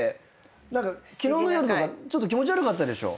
何か昨日の夜とかちょっと気持ち悪かったでしょ？